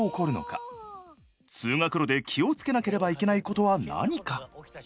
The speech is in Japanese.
通学路で気を付けなければいけないことは何か？